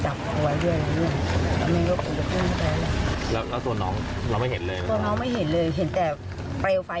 ใช่ค่ะเรียกมา